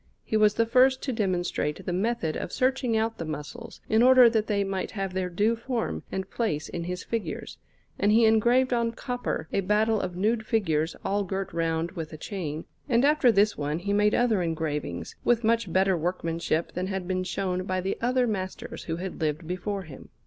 He was the first to demonstrate the method of searching out the muscles, in order that they might have their due form and place in his figures, and he engraved on copper a battle of nude figures all girt round with a chain; and after this one he made other engravings, with much better workmanship than had been shown by the other masters who had lived before him.